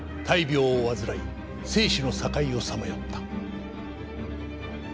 大病を患い生死の境をさまよった。